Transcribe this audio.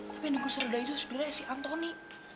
tapi yang di guserdai itu sebenarnya si antoni